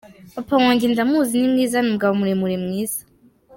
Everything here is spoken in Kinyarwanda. Papa wanjye ndamuzi, ni mwiza, ni umugabo muremure mwiza.